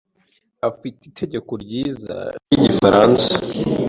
afite itegeko ryiza ryigifaransa.